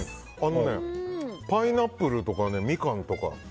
パイナップルとかみかんとか。